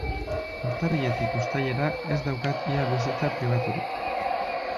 Urtarriletik uztailera ez daukat ia bizitza pribaturik.